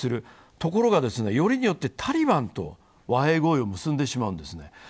ところがよりによってタリバンと和平合意を結んでしまうんですね。